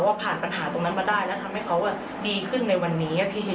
ผ่านปัญหาตรงนั้นมาได้แล้วทำให้เขาดีขึ้นในวันนี้พี่